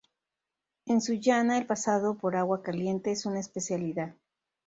En Sullana el pasado por agua caliente es una especialidad.